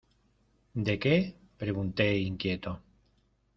¿De qué? pregunté inquieto.